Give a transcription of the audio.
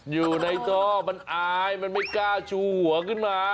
อยู่ในท่อมันอายมันไม่กล้าชูหัวขึ้นมา